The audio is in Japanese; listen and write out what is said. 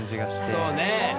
そうね。